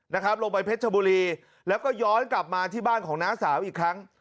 นะครับลงไปเพชรชบุรีแล้วก็ย้อนกลับมาที่บ้านของน้าสาวอีกครั้ง